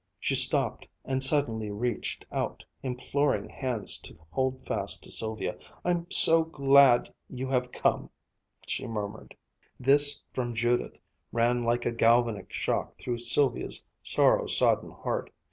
She stopped and suddenly reached out imploring hands to hold fast to Sylvia. "I'm so glad you have come!" she murmured. This from Judith ran like a galvanic shock through Sylvia's sorrow sodden heart.